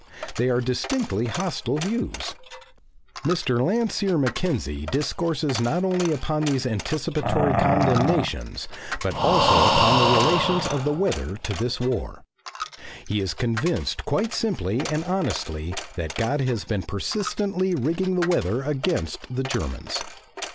They are distinctly hostile views. Mr. Landseer Mackenzie discourses not only upon these anticipatory condemnations but also upon the relations of the weather to this war. He is convinced quite simply and honestly that God has been persistently rigging the weather against the Germans.